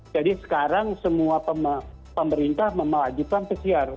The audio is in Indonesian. jadi sekarang semua pemerintah memelajukan pcr